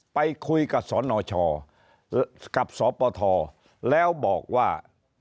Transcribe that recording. ไปคุยกับสนชกับสปทแล้วบอกว่า